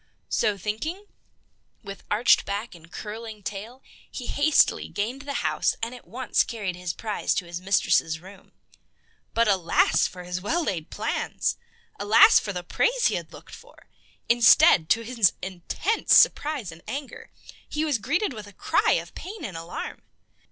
So, thinking, with arched back and curling tail, he hastily gained the house and at once carried his prize to his mistress' room. But alas for his well laid plans! Alas for the praise he had looked for! Instead, to his intense surprise and anger, he was greeted with a cry of pain and alarm.